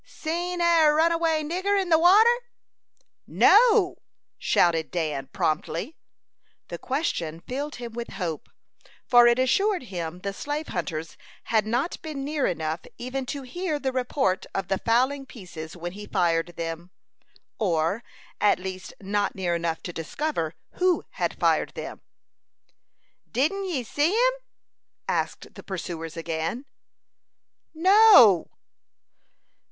"Seen ary runaway nigger in the water?" "No," shouted Dan, promptly. The question filled him with hope, for it assured him the slave hunters had not been near enough even to hear the report of the fowling pieces when he fired them; or, at least, not near enough to discover who had fired them. "Didn't ye see him?" asked the pursuers again. "No."